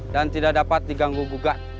dan tidak dapat diganggu gugat